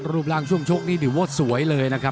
รูปร่างช่วงชกนี่ถือว่าสวยเลยนะครับ